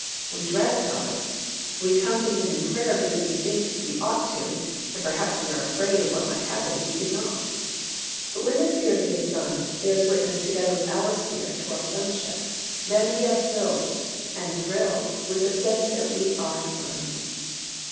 We dread God. We come to Him in prayer because we think we ought to and perhaps we are afraid of what might happen if we did not. But when the Spirit of His Son bears witness together with our spirit to our sonship, then we are filled and thrilled with the sense that we are sons.